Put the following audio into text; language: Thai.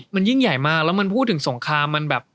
มันยิ่งใหญ่มากแล้วมันพูดถึงสงครามมันแบบ